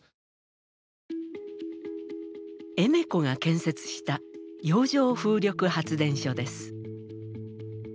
Ｅｎｅｃｏが建設した洋上風力発電所です。